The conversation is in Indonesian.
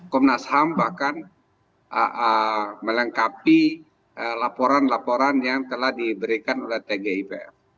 komnas ham bahkan melengkapi laporan laporan yang telah diberikan oleh tgipf